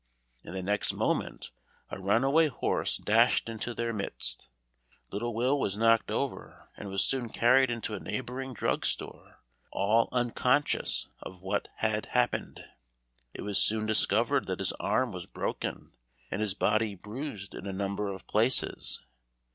and the next moment a runaway horse dashed into their midst; little Will was knocked over, and was soon carried into a neighboring drug store, all unconscious of what had happened. It was soon discovered that his arm was broken, and his body bruised in a number of places.